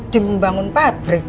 di membangun pabrik